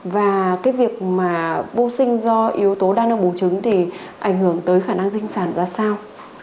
và cái việc mà vô sinh do yếu tố đa năng bùn trứng thì ảnh hưởng tới khả năng dinh sản ra sao